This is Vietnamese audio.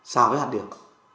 xào với hạt điểm